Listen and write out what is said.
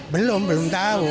belum belum tahu